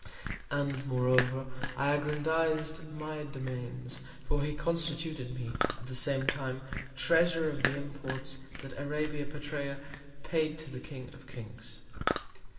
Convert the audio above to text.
And, moreover, I aggrandiz'd my Domains; for he constituted me, at the same Time, Treasurer of the Imports that Arabia Petræa paid to the King of Kings.